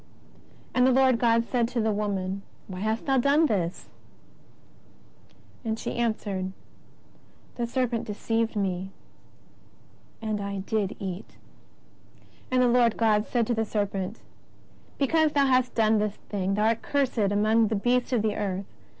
And the Lord God said to the woman: WTiy hast thou done this? And she answered : The serpent deceived me, and I did eat. And the Lord God said to the serpent : Because thou hast done this thing, thou art cursed among all beasts of the earth.